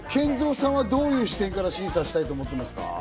ＫＥＮＺＯさんはどんな視点から見たいと思ってますか？